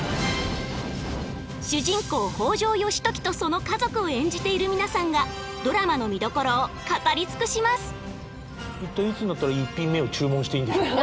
主人公北条義時とその家族を演じている皆さんがドラマの見どころを語り尽くします。